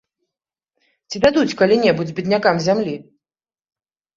Ці дадуць калі-небудзь беднякам зямлі?